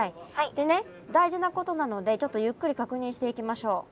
でね大事なことなのでちょっとゆっくり確認していきましょう。